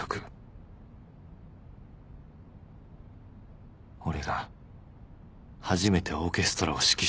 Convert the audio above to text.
俺が初めてオーケストラを指揮した曲